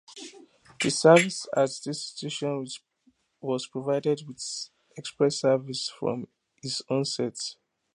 Service at this station was provided with express service from is onset.